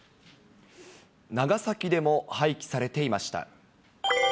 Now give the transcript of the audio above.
長崎でも廃棄されていました。